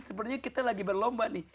sebenarnya kita lagi berlomba nih